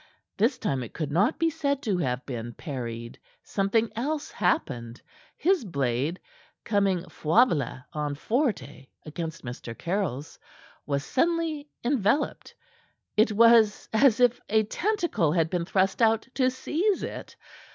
This time it could not be said to have been parried. Something else happened. His blade, coming foible on forte against Mr. Caryll's, was suddenly enveloped. It was as if a tentacle had been thrust out to seize it.